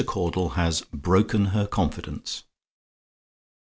CAUDLE HAS "BROKEN HER CONFIDENCE."